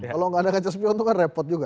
kalau nggak ada kaca spion itu kan repot juga